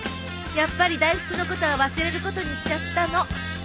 やっぱり大福のことは忘れることにしちゃったの。